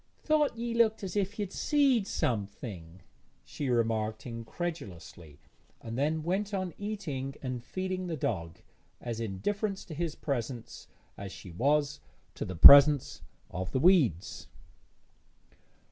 'Thought ye looked as if ye'd seed something',' she remarked incredulously, and then went on eating and feeding the dog, as indifferent to his presence as she was to the presence of the weeds.